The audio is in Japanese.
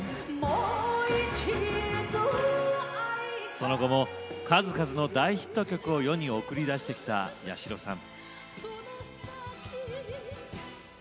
その後も数々の大ヒット曲を世に送り出してきた八代さん。